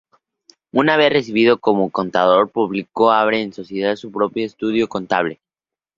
Una vez recibido como Contador Público abre en sociedad su propio estudio contable.